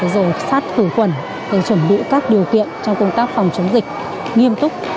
rồi sát khử quần để chuẩn bị các điều kiện trong công tác phòng chống dịch nghiêm túc